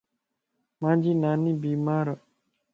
مانجي ناني بيمارَ